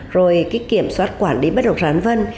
rồi cái kiểm soát quản lý bất đồng sản vân